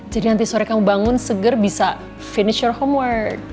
jadi nanti sore kamu bangun seger bisa finish your homework